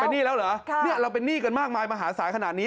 หนี้แล้วเหรอเราเป็นหนี้กันมากมายมหาศาลขนาดนี้